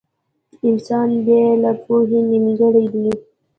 • انسان بې له پوهې نيمګړی دی.